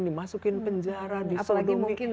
dimasukin penjara apalagi mungkin